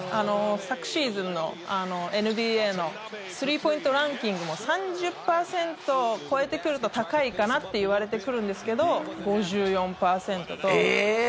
昨シーズンのＮＢＡのスリーポイントランキングも３０％を超えてくると高いかなといわれてくるんですけどえーっ！